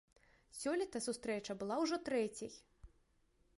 Сёлета сустрэча была ўжо трэцяй.